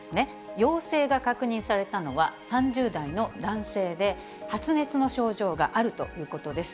陽性が確認されたのは３０代の男性で、発熱の症状があるということです。